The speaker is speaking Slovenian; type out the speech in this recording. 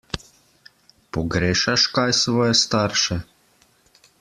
Pogrešaš kaj svoje starše?